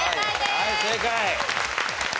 はい正解。